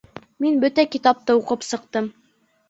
Мин бөтә китапты уҡып сыҡтым